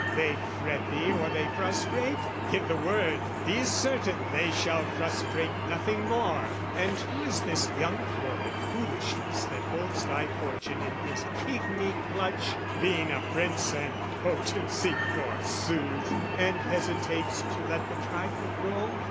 "They fret thee or they frustrate? Give the word "Be certain they shall frustrate nothing more! "And who is this young florid foolishness "That holds thy fortune in his pigmy clutch, " Being a prince and potency, forsooth! "And hesitates to let the trifle go?